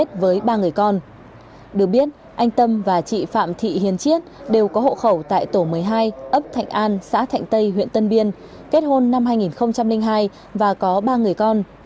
được biết anh tâm và chị phạm thị hiền chiết đều có hộ khẩu tại tổ một mươi hai ấp thạnh an xã thạnh tây huyện tân biên kết hôn năm hai nghìn hai và có ba người con